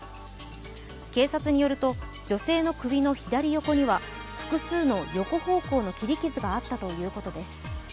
警察によると女性の首の左横には複数の横方向の切り傷があったということです。